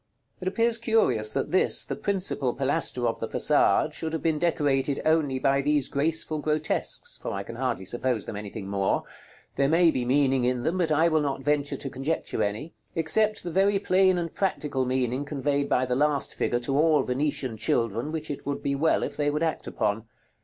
It appears curious, that this, the principal pilaster of the façade, should have been decorated only by these graceful grotesques, for I can hardly suppose them anything more. There may be meaning in them, but I will not venture to conjecture any, except the very plain and practical meaning conveyed by the last figure to all Venetian children, which it would be well if they would act upon.